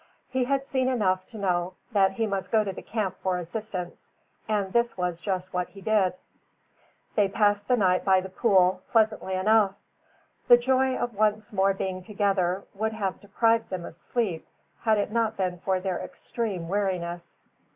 He had seen enough to knew that he must go to the camp for assistance, and this was just what he did. They passed the night by the pool, pleasantly enough. The joy of once more being together would have deprived them of sleep, had it not been for their extreme weariness.